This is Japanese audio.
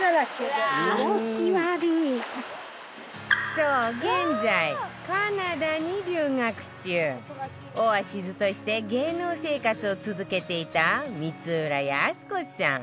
そう現在カナダに留学中オアシズとして芸能生活を続けていた光浦靖子さん